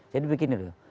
jadi begini lho